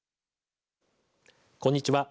こんにちは。